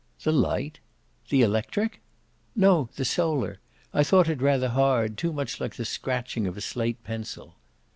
"The light the electric?" "No, the solar! I thought it rather hard, too much like the scratching of a slate pencil."